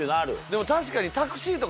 でも確かに。